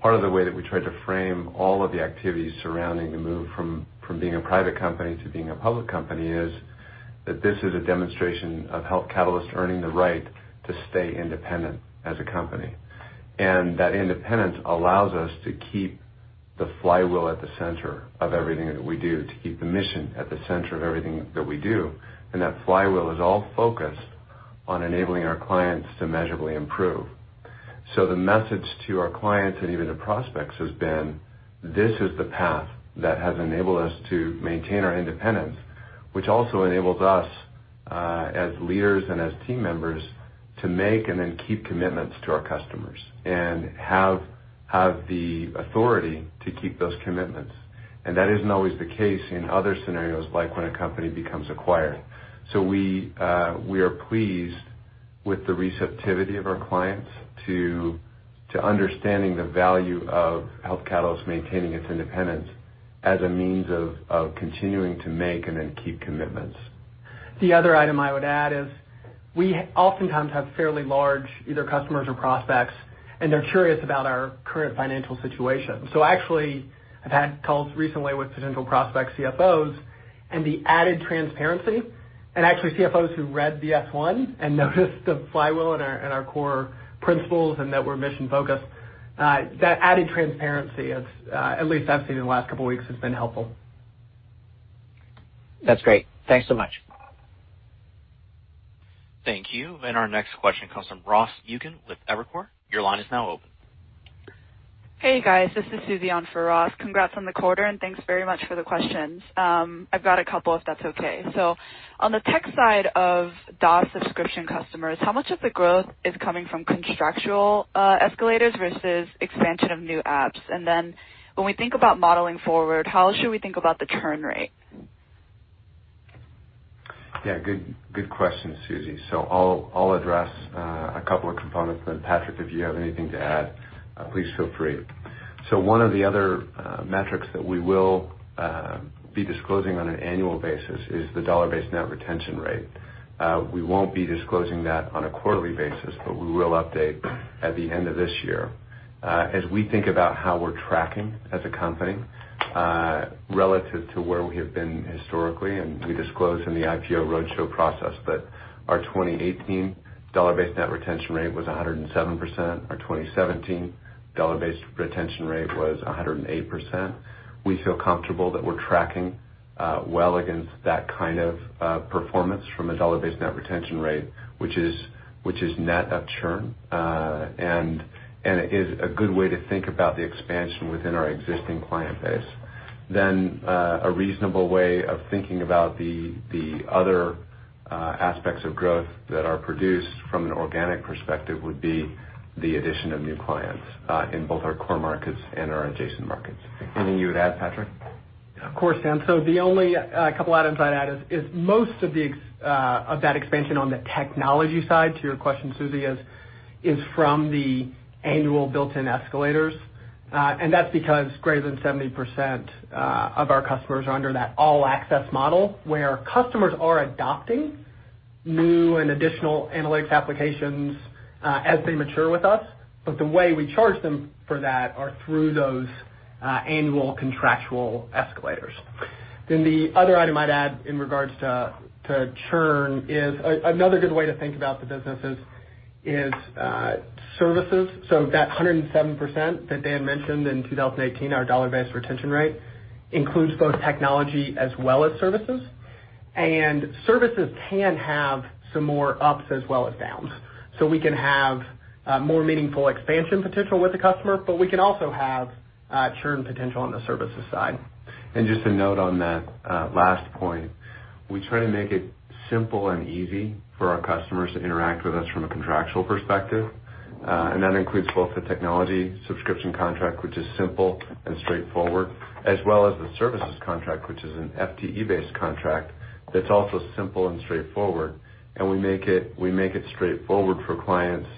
Part of the way that we try to frame all of the activities surrounding the move from being a private company to being a public company is that this is a demonstration of Health Catalyst earning the right to stay independent as a company. That independence allows us to keep the flywheel at the center of everything that we do, to keep the mission at the center of everything that we do, and that flywheel is all focused on enabling our clients to measurably improve. The message to our clients and even the prospects has been, this is the path that has enabled us to maintain our independence, which also enables us, as leaders and as team members, to make and then keep commitments to our customers and have the authority to keep those commitments. That isn't always the case in other scenarios, like when a company becomes acquired. We are pleased with the receptivity of our clients to understanding the value of Health Catalyst maintaining its independence as a means of continuing to make and then keep commitments. The other item I would add is, we oftentimes have fairly large either customers or prospects, and they're curious about our current financial situation. Actually, I've had calls recently with potential prospect CFOs and the added transparency, and actually, CFOs who read the S-1 and noticed the flywheel and our core principles and that we're mission-focused. That added transparency, at least I've seen in the last couple of weeks, has been helpful. That's great. Thanks so much. Thank you. Our next question comes from Ross Majumdar with Evercore. Your line is now open. Hey, guys. This is Susie on for Ross. Congrats on the quarter. Thanks very much for the questions. I've got a couple if that's okay. On the tech side of DaaS subscription customers, how much of the growth is coming from contractual escalators versus expansion of new apps? When we think about modeling forward, how should we think about the churn rate? Good question, Susie. I'll address a couple of components, Patrick, if you have anything to add, please feel free. One of the other metrics that we will be disclosing on an annual basis is the dollar-based net retention rate. We won't be disclosing that on a quarterly basis, we will update at the end of this year. As we think about how we're tracking as a company relative to where we have been historically, we disclosed in the IPO roadshow process that our 2018 dollar-based net retention rate was 107%. Our 2017 dollar-based retention rate was 108%. We feel comfortable that we're tracking well against that kind of performance from a dollar-based net retention rate, which is net of churn. It is a good way to think about the expansion within our existing client base. A reasonable way of thinking about the other aspects of growth that are produced from an organic perspective would be the addition of new clients, in both our core markets and our adjacent markets. Anything you would add, Patrick? Of course, Dan. The only couple items I'd add is most of that expansion on the technology side to your question, Susie, is from the annual built-in escalators. That's because greater than 70% of our customers are under that all-access model, where customers are adopting new and additional analytics applications as they mature with us. The way we charge them for that are through those annual contractual escalators. The other item I'd add in regards to churn is another good way to think about the businesses is services. That 107% that Dan mentioned in 2018, our dollar-based retention rate, includes both technology as well as services. Services can have some more ups as well as downs. We can have more meaningful expansion potential with the customer, but we can also have churn potential on the services side. Just a note on that last point, we try to make it simple and easy for our customers to interact with us from a contractual perspective. That includes both the technology subscription contract, which is simple and straightforward, as well as the services contract, which is an FTE-based contract that's also simple and straightforward. We make it straightforward for clients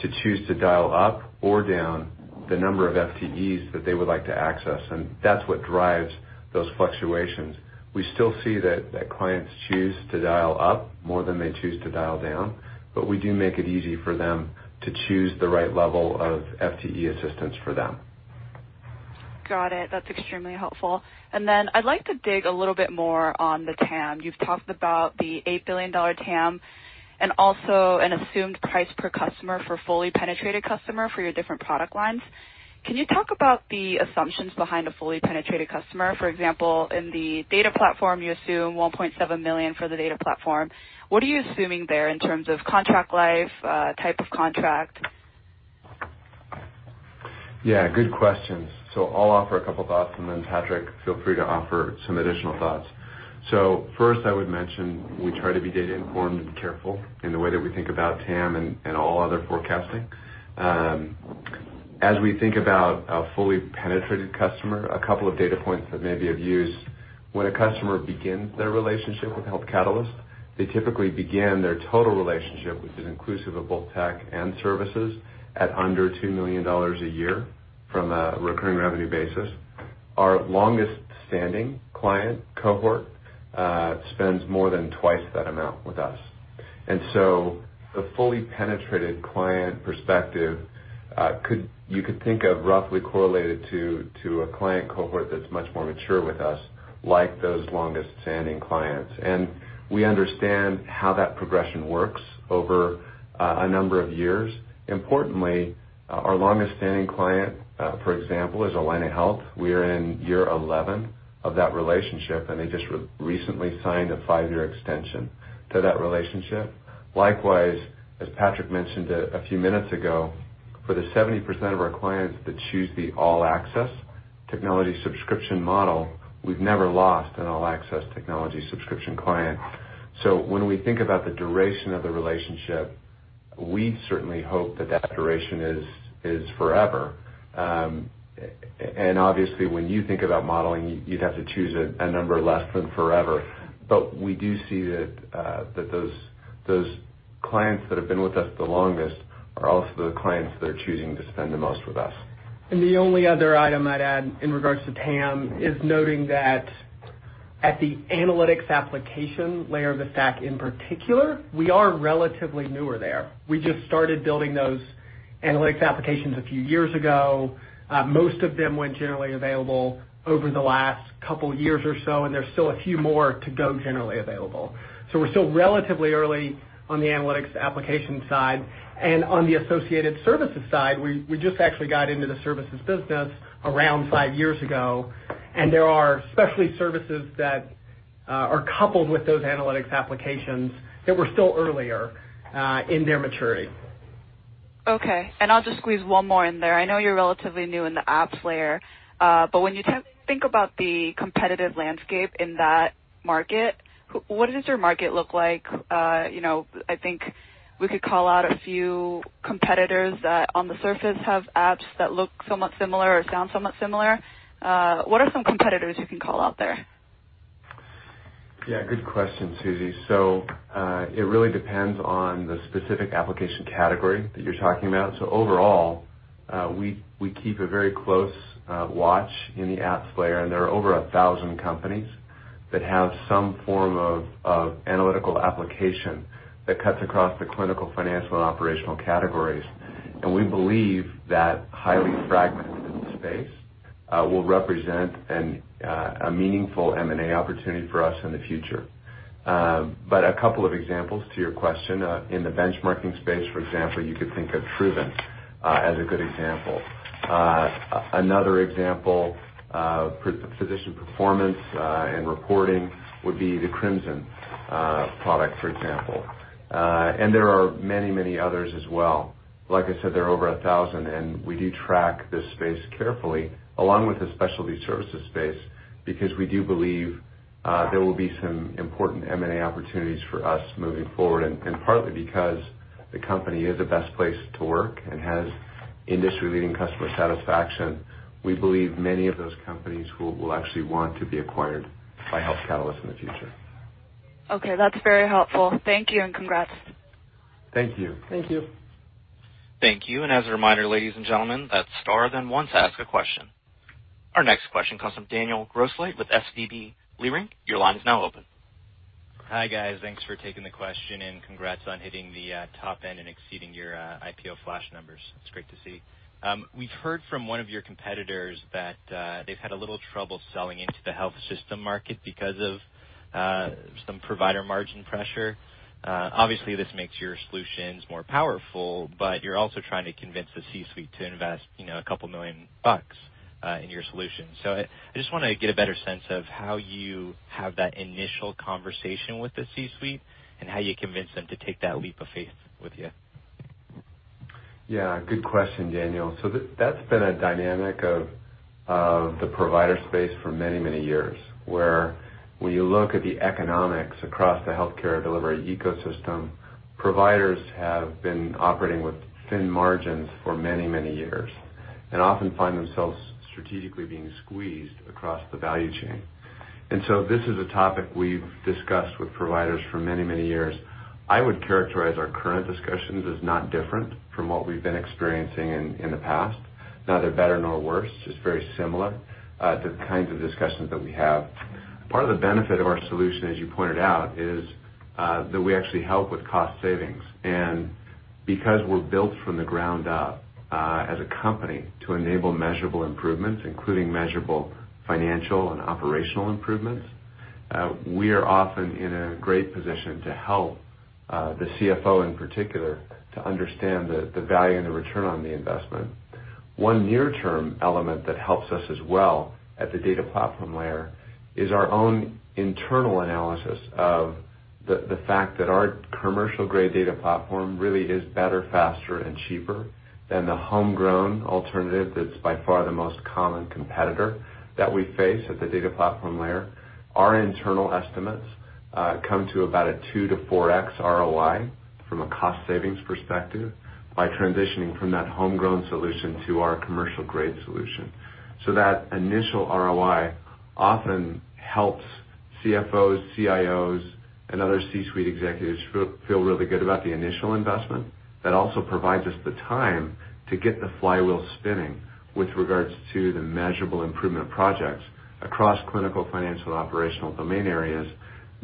to choose to dial up or down the number of FTEs that they would like to access, and that's what drives those fluctuations. We still see that clients choose to dial up more than they choose to dial down, but we do make it easy for them to choose the right level of FTE assistance for them. Got it. That's extremely helpful. I'd like to dig a little bit more on the TAM. You've talked about the $8 billion TAM and also an assumed price per customer for fully penetrated customer for your different product lines. Can you talk about the assumptions behind a fully penetrated customer? For example, in the data platform, you assume $1.7 million for the data platform. What are you assuming there in terms of contract life, type of contract? Yeah, good questions. I'll offer a couple thoughts, and then Patrick, feel free to offer some additional thoughts. First I would mention we try to be data informed and careful in the way that we think about TAM and all other forecasting. As we think about a fully penetrated customer, a couple of data points that may be of use. When a customer begins their relationship with Health Catalyst, they typically begin their total relationship, which is inclusive of both tech and services, at under $2 million a year from a recurring revenue basis. Our longest-standing client cohort spends more than twice that amount with us. The fully penetrated client perspective, you could think of roughly correlated to a client cohort that's much more mature with us, like those longest-standing clients. We understand how that progression works over a number of years. Importantly, our longest-standing client, for example, is Allina Health. We are in year 11 of that relationship, and they just recently signed a five-year extension to that relationship. Likewise, as Patrick mentioned a few minutes ago, for the 70% of our clients that choose the all-access-Technology subscription model, we've never lost an all-access-Technology subscription client. When we think about the duration of the relationship, we certainly hope that that duration is forever. Obviously, when you think about modeling, you'd have to choose a number less than forever. We do see that those clients that have been with us the longest are also the clients that are choosing to spend the most with us. The only other item I'd add in regards to TAM is noting that at the analytics application layer of the stack in particular, we are relatively newer there. We just started building those analytics applications a few years ago. Most of them went generally available over the last couple of years or so, and there's still a few more to go generally available. We're still relatively early on the analytics application side. On the associated services side, we just actually got into the services business around five years ago, and there are specialty services that are coupled with those analytics applications that were still earlier in their maturity. Okay. I'll just squeeze one more in there. I know you're relatively new in the apps layer. When you think about the competitive landscape in that market, what does your market look like? I think we could call out a few competitors that on the surface have apps that look somewhat similar or sound somewhat similar. What are some competitors you can call out there? Yeah, good question, Susie. It really depends on the specific application category that you're talking about. Overall, we keep a very close watch in the apps layer, and there are over 1,000 companies that have some form of analytical application that cuts across the clinical, financial, and operational categories. We believe that highly fragmented space will represent a meaningful M&A opportunity for us in the future. A couple of examples to your question. In the benchmarking space, for example, you could think of Truven as a good example. Another example, physician performance and reporting, would be the Crimson product, for example. There are many others as well. Like I said, there are over 1,000, and we do track this space carefully along with the specialty services space, because we do believe there will be some important M&A opportunities for us moving forward. Partly because the company is a best place to work and has industry-leading customer satisfaction. We believe many of those companies will actually want to be acquired by Health Catalyst in the future. Okay, that's very helpful. Thank you, and congrats. Thank you. Thank you. Thank you. As a reminder, ladies and gentlemen, that's star then one to ask a question. Our next question comes from Daniel Grosslight with SVB Leerink. Your line is now open. Hi, guys. Thanks for taking the question, and congrats on hitting the top end and exceeding your IPO flash numbers. It's great to see. We've heard from one of your competitors that they've had a little trouble selling into the health system market because of some provider margin pressure. Obviously, this makes your solutions more powerful, but you're also trying to convince the C-suite to invest $2 million in your solution. I just want to get a better sense of how you have that initial conversation with the C-suite and how you convince them to take that leap of faith with you. Yeah, good question, Daniel. That's been a dynamic of the provider space for many years, where when you look at the economics across the healthcare delivery ecosystem, providers have been operating with thin margins for many years, and often find themselves strategically being squeezed across the value chain. This is a topic we've discussed with providers for many years. I would characterize our current discussions as not different from what we've been experiencing in the past. Neither better nor worse, just very similar, the kinds of discussions that we have. Part of the benefit of our solution, as you pointed out, is that we actually help with cost savings. Because we're built from the ground up, as a company, to enable measurable improvements, including measurable financial and operational improvements, we are often in a great position to help the CFO in particular to understand the value and the return on the investment. One near-term element that helps us as well at the data platform layer is our own internal analysis of the fact that our commercial-grade data platform really is better, faster, and cheaper than the homegrown alternative that's by far the most common competitor that we face at the data platform layer. Our internal estimates come to about a 2 to 4x ROI from a cost savings perspective by transitioning from that homegrown solution to our commercial-grade solution. That initial ROI often helps CFOs, CIOs, and other C-suite executives feel really good about the initial investment. That also provides us the time to get the flywheel spinning with regards to the measurable improvement projects across clinical, financial, operational domain areas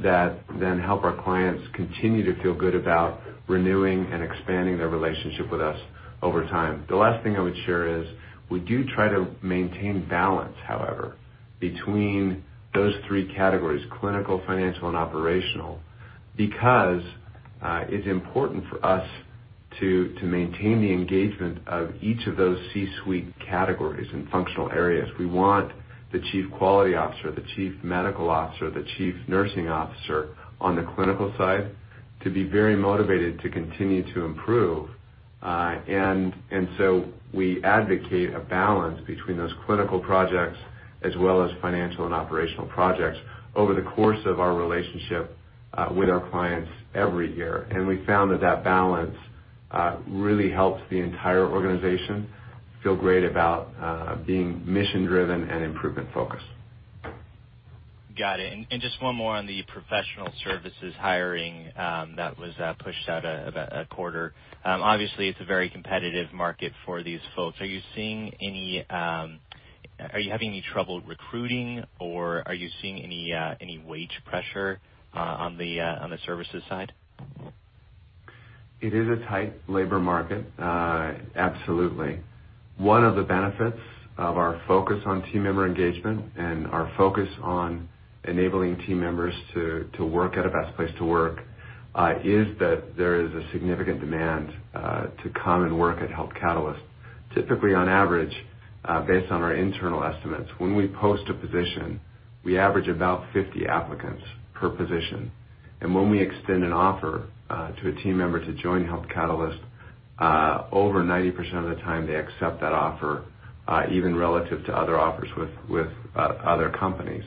that then help our clients continue to feel good about renewing and expanding their relationship with us over time. The last thing I would share is we do try to maintain balance, however, between those three categories, clinical, financial, and operational. It's important for us to maintain the engagement of each of those C-suite categories and functional areas. The chief quality officer, the chief medical officer, the chief nursing officer on the clinical side to be very motivated to continue to improve. We advocate a balance between those clinical projects as well as financial and operational projects over the course of our relationship with our clients every year. We found that that balance really helps the entire organization feel great about being mission-driven and improvement focused. Got it. Just one more on the professional services hiring that was pushed out about a quarter. Obviously, it's a very competitive market for these folks. Are you having any trouble recruiting, or are you seeing any wage pressure on the services side? It is a tight labor market. Absolutely. One of the benefits of our focus on team member engagement and our focus on enabling team members to work at a best place to work is that there is a significant demand to come and work at Health Catalyst. Typically, on average, based on our internal estimates, when we post a position, we average about 50 applicants per position. When we extend an offer to a team member to join Health Catalyst, over 90% of the time, they accept that offer, even relative to other offers with other companies.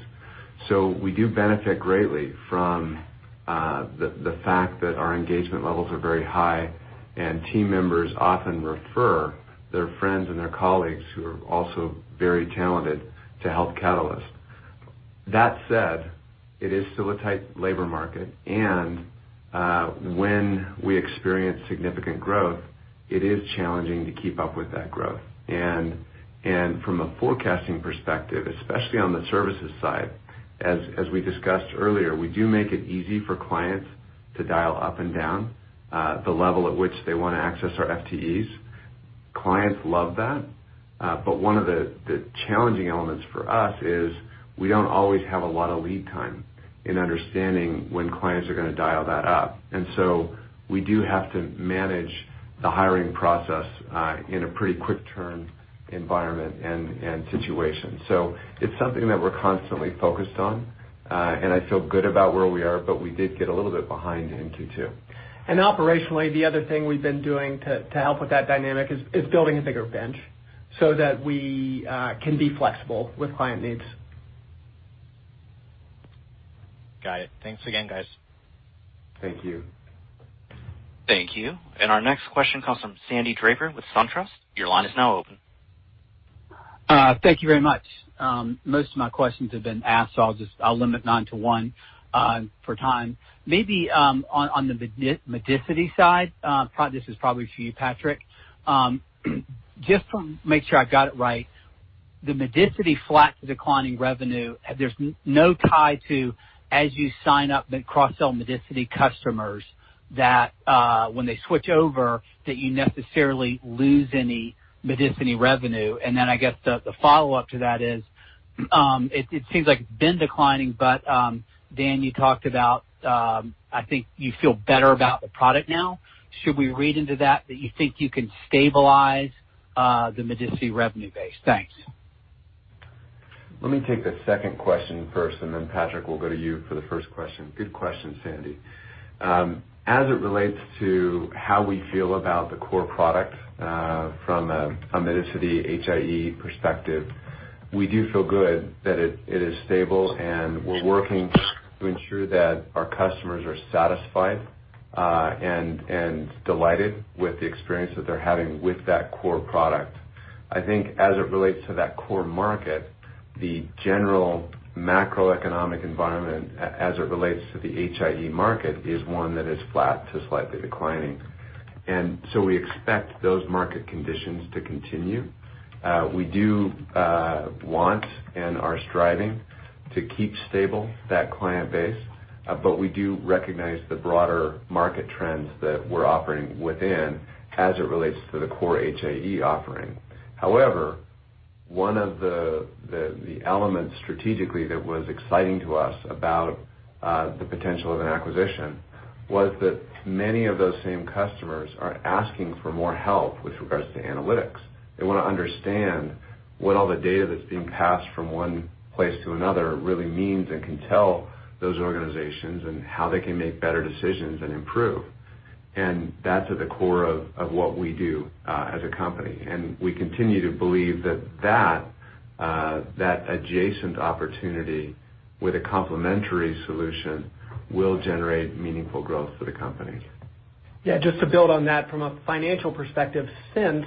We do benefit greatly from the fact that our engagement levels are very high, and team members often refer their friends and their colleagues, who are also very talented, to Health Catalyst. That said, it is still a tight labor market, and when we experience significant growth, it is challenging to keep up with that growth. From a forecasting perspective, especially on the services side, as we discussed earlier, we do make it easy for clients to dial up and down the level at which they want to access our FTEs. Clients love that. One of the challenging elements for us is we don't always have a lot of lead time in understanding when clients are going to dial that up. We do have to manage the hiring process in a pretty quick-turned environment and situation. It's something that we're constantly focused on, and I feel good about where we are, but we did get a little bit behind in Q2. Operationally, the other thing we've been doing to help with that dynamic is building a bigger bench so that we can be flexible with client needs. Got it. Thanks again, guys. Thank you. Thank you. Our next question comes from Sandy Draper with SunTrust. Your line is now open. Thank you very much. Most of my questions have been asked, so I'll limit mine to one for time. Maybe on the Medicity side, this is probably for you, Patrick. Just to make sure I've got it right. The Medicity flat to declining revenue, there's no tie to, as you sign up the cross-sell Medicity customers, that when they switch over, that you necessarily lose any Medicity revenue. I guess the follow-up to that is, it seems like it's been declining, but Dan, you talked about, I think you feel better about the product now. Should we read into that you think you can stabilize the Medicity revenue base? Thanks. Let me take the second question first, then Patrick, we'll go to you for the first question. Good question, Sandy. As it relates to how we feel about the core product from a Medicity HIE perspective, we do feel good that it is stable and we're working to ensure that our customers are satisfied and delighted with the experience that they're having with that core product. I think as it relates to that core market, the general macroeconomic environment as it relates to the HIE market is one that is flat to slightly declining. We expect those market conditions to continue. We do want and are striving to keep stable that client base, but we do recognize the broader market trends that we're operating within as it relates to the core HIE offering. However, one of the elements strategically that was exciting to us about the potential of an acquisition was that many of those same customers are asking for more help with regards to analytics. They want to understand what all the data that's being passed from one place to another really means and can tell those organizations and how they can make better decisions and improve. That's at the core of what we do as a company. We continue to believe that that adjacent opportunity with a complementary solution will generate meaningful growth for the company. Just to build on that from a financial perspective, since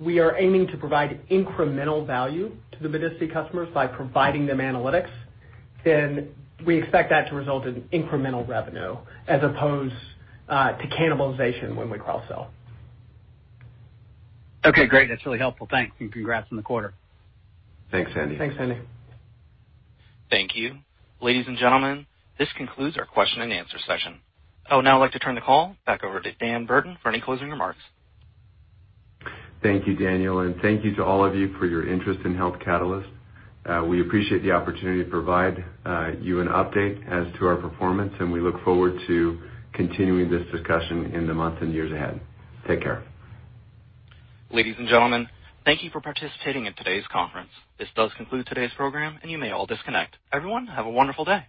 we are aiming to provide incremental value to the Medicity customers by providing them analytics, then we expect that to result in incremental revenue as opposed to cannibalization when we cross-sell. Okay, great. That's really helpful. Thanks, and congrats on the quarter. Thanks, Sandy. Thanks, Sandy. Thank you. Ladies and gentlemen, this concludes our question and answer session. I would now like to turn the call back over to Dan Burton for any closing remarks. Thank you, Daniel, and thank you to all of you for your interest in Health Catalyst. We appreciate the opportunity to provide you an update as to our performance, and we look forward to continuing this discussion in the months and years ahead. Take care. Ladies and gentlemen, thank you for participating in today's conference. This does conclude today's program, and you may all disconnect. Everyone, have a wonderful day.